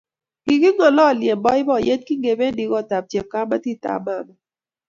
Kikingolye eng boiboiyet kingebendi kotab chepkamitab mama